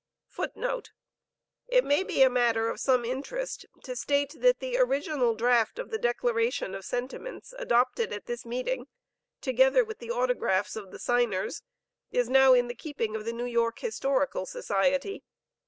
[Footnote A: It may be a matter of some interest to state that the original draft of the Declaration of Sentiments adopted at this meeting, together with the autographs of the signers, is now in the keeping of the New York Historical Society.